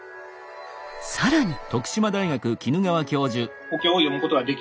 更に。